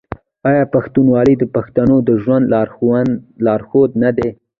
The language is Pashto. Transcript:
آیا پښتونولي د پښتنو د ژوند لارښود نه دی؟